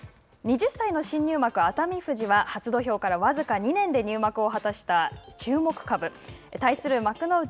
２０歳の新入幕熱海富士は初土俵から僅か２年で入幕を果たした注目株。対する幕内